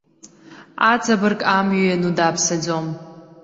Аҵабырг амҩа иану дааԥсаӡом.